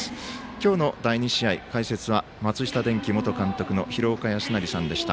今日の第２試合解説は松下電器元監督の廣岡資生さんでした。